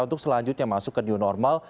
untuk selanjutnya masuk ke new normal